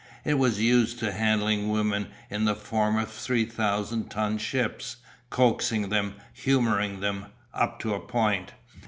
It was used to handling women in the form of three thousand ton ships, coaxing them, humouring them up to a point.